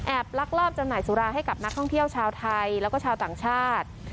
ลักลอบจำหน่ายสุราให้กับนักท่องเที่ยวชาวไทยแล้วก็ชาวต่างชาติ